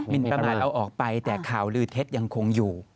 นประมาทเราออกไปแต่ข่าวลือเท็จยังคงอยู่